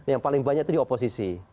yang paling banyak itu di oposisi